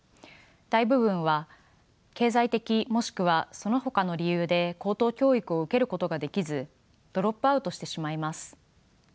大部分は経済的もしくはそのほかの理由で高等教育を受けることができずドロップアウトしてしまいます。